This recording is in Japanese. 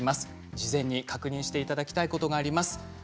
事前に確認していただきたいことがあります。